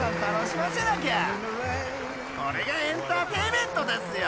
［これがエンターテインメントですよ］